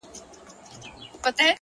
هره ورځ د نوې بدلون پیل کېدای شي